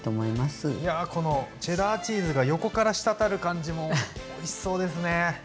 いやこのチェダーチーズが横から滴る感じもおいしそうですね！